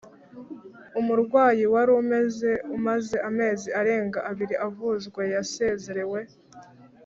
umurwayi wari umaze amezi arenga abiri avuzwa yasezerewe